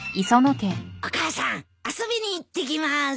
お母さん遊びに行ってきます。